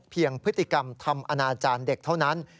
พฤติกรรมทำอนาจารย์เด็กเท่านั้น